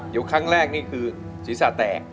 อยู่ครั้งแรกนี่คือชีวิตสาแตะ